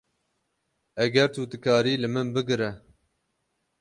Eger tu dikarî, li min bigire.